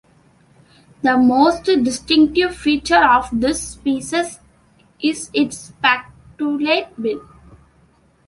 The most distinctive feature of this species is its spatulate bill.